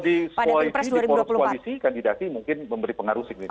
tapi kalau disuai di polisi kandidasi mungkin memberi pengaruh signifikan